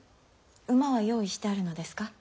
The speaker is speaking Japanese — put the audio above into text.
馬は用意してあるのですか？